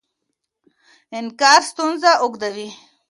انکار ستونزه اوږدوي.